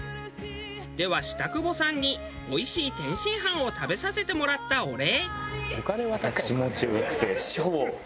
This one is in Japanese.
では下久保さんにおいしい天津飯を食べさせてもらったお礼。